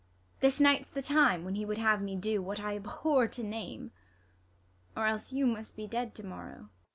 This night's the time, Avhen he would have me do What I abhor to name, or else you must Be dead to morrow.